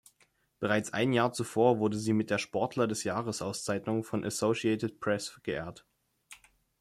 Bereits ein Jahr zuvor wurde sie mit der Sportler-des-Jahres-Auszeichnung von Associated Press geehrt.